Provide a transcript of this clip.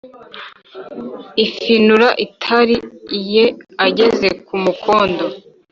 ufinura itari iye ageza ku mukondo.